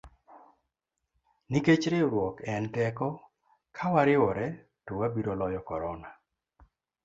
Nikech riwruok en teko, kawariwore to wabiro loyo korona.